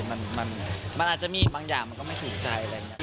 มันอาจจะมีบางอย่างมันก็ไม่ถูกใจอะไรอย่างนี้